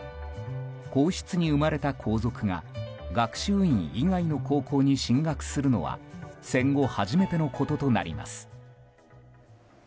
皇室に生まれた皇族が学習院以外の高校に進学するのは戦後初めてのこととなります。